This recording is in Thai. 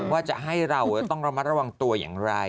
ว่าจะให้เราต้องระมัดระวังตัวอย่างไร